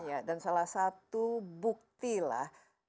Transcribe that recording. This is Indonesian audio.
iya dan salah satu buktilah